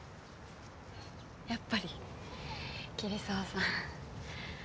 やっぱり桐沢さん。